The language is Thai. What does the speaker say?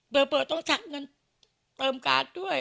เปิดต้องชักเงินเติมการ์ดด้วย